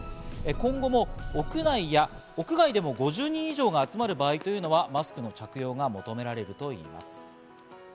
今後も屋内や屋外でも５０人以上が集まる場合というのはマスクの着用が求められるということです。